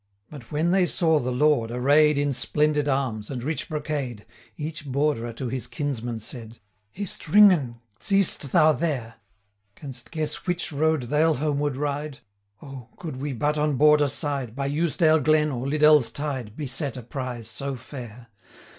But when they saw the Lord array'd 90 In splendid arms, and rich brocade, Each Borderer to his kinsman said, 'Hist, Ringan! seest thou there! Canst guess which road they'll homeward ride? O! could we but on Border side, 95 By Eusedale glen, or Liddell's tide, Beset a prize so fair!